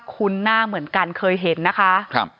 คุ้นหน้าเหมือนกันเคยเห็นนะคะ